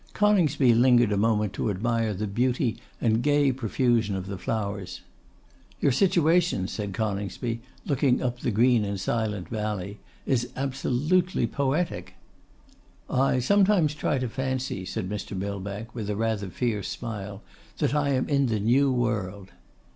Coningsby lingered a moment to admire the beauty and gay profusion of the flowers. 'Your situation,' said Coningsby, looking up the green and silent valley, 'is absolutely poetic.' 'I try sometimes to fancy,' said Mr. Millbank, with a rather fierce smile, 'that I am in the New World.